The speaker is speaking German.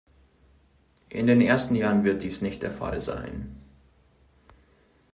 In den ersten Jahren wird dies nicht der Fall sein.